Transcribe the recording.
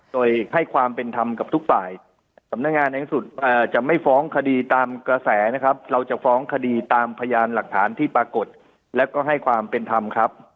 โดยให้ความเป็นธรรมกับทุกฝ่ายสำนักงานในที่สุดจะไม่ฟ้องคดีตามกระแสนะครับเราจะฟ้องคดีตามพยานหลักฐานที่ปรากฏและก็ให้ความเป็นธรรมครับ